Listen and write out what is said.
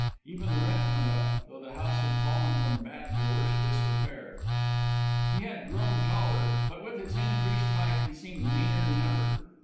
Even the rent went up, though the house had fallen from bad to worse disrepair. He had grown taller; but with his increased height he seemed leaner than ever.